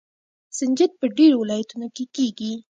سنجد په ډیرو ولایتونو کې کیږي.